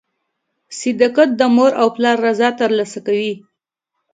• صداقت د مور او پلار رضا ترلاسه کوي.